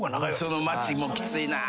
その待ちもきついな。